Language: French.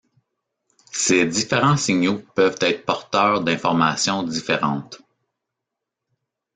Ces différents signaux peuvent être porteurs d'informations différentes.